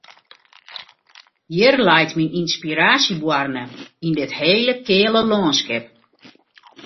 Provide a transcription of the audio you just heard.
Hjir leit myn ynspiraasjeboarne, yn dit hele keale lânskip.